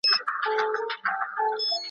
که واوره ډېره شي پاڼه به وغورځېږي.